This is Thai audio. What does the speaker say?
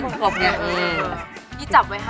อย่าจับไว้ให้